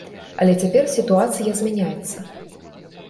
Але цяпер сітуацыя змяняецца.